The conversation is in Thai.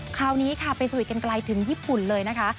คราวนี้ค่ะไปสวิตกันไกลถึงญี่ปุ่นเลยนะคะ